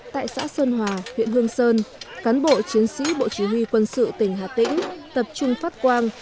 tại xã sơn hòa huyện hương sơn cán bộ chiến sĩ bộ chỉ huy quân sự tỉnh hà tĩnh tập trung phát quang